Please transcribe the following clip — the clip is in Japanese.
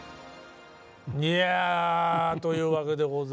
いやというわけでございまして。